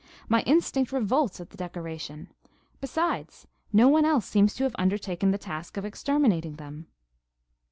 My instinct revolts at the desecration. Besides, no one else seems to have undertaken the task of exterminating them."